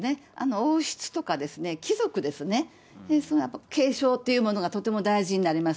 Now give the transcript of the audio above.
王室とかですね、貴族ですね、継承というものがとても大事になります。